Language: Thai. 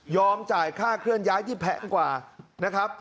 จ่ายค่าเคลื่อนย้ายที่แพงกว่านะครับ